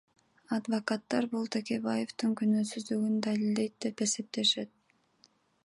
Адвокаттар бул Текебаевдин күнөөсүздүгүн далилдейт деп эсептешет.